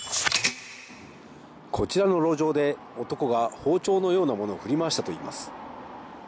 こちらの路上で男が包丁のようなものを振り回したといいます。